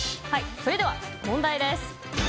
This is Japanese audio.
それでは、問題です。